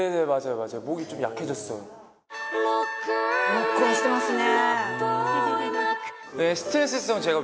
ロックオンしてますね。